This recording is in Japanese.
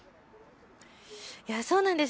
そうなんです。